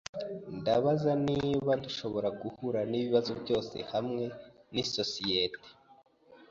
Ndabaza niba dushobora guhura nibibazo byose hamwe nisosiyete.